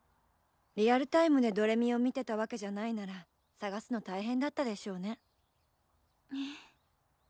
リアルタイムで「どれみ」を見てたわけじゃないなら探すの大変だったでしょうね。ね。